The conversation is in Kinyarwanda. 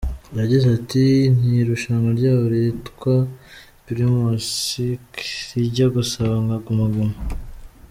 Yagize ati ”Ni irushanwa ryabo ryitwa Primusic rijya gusa nka Guma Guma.